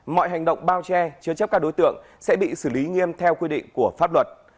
mọi hành động bao che chứa chấp các đối tượng sẽ bị xử lý nghiêm theo quy định của pháp luật